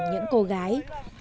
những cô gái